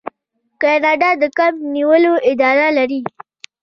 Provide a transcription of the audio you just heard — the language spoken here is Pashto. کاناډا د کب نیولو اداره لري.